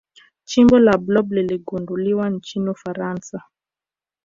chimbo la blob liligunduliwa nchini ufaransa